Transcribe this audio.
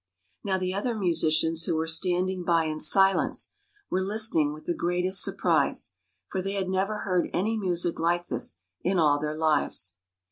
Now the other musicians who were standing by in silence were listening with the greatest surprise, for they had never heard any music like this in all their lives.